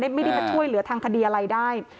ไม่ได้มาช่วยเหลือทางคดีอะไรได้